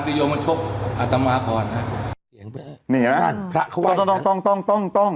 ก็โยมมาชกอัตตามาขอนฮะนี่น่ะพระเขาว่าอย่างนั้นต้องต้องต้องต้อง